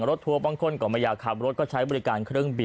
เมื่อวานคนก็ไปใช้บริการเยอะน่ะ